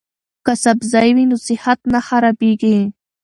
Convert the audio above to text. که سبزی وي نو صحت نه خرابیږي.